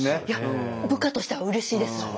いや部下としてはうれしいです。